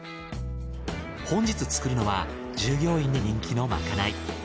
本日作るのは従業員に人気のまかない。